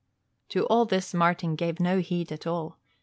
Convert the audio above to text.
To all this Martin gave no heed at all.